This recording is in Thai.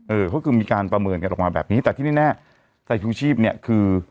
เออเขาคือมีการประเมินกันออกมาแบบนี้แต่ที่แน่ใส่ชูชีพเนี่ยคือ